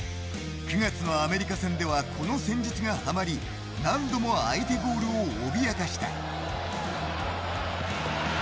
９月のアメリカ戦ではこの戦術がはまり何度も相手ゴールを脅かした。